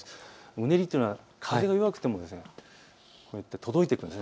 うねりというのは風が弱くてもこうやって届いていくんです。